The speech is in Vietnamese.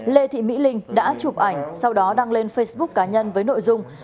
lê thị mỹ linh đã chụp ảnh sau đó đăng lên facebook cá nhân với nội dung